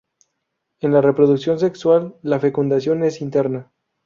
En la reproducción sexual la fecundación es interna.